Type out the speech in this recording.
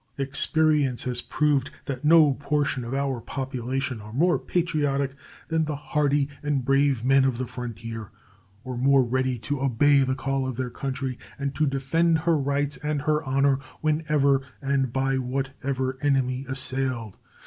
Experience has proved that no portion of our population are more patriotic than the hardy and brave men of the frontier, or more ready to obey the call of their country and to defend her rights and her honor whenever and by whatever enemy assailed.